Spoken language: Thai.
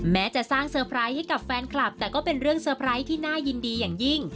แม้จะสร้างเซอร์ไพรส์ให้กับแฟนคลับแต่ก็เป็นเรื่องเซอร์ไพรส์ที่น่ายินดีอย่างยิ่ง